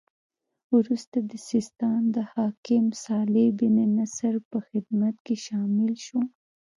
وروسته د سیستان د حاکم صالح بن نصر په خدمت کې شامل شو.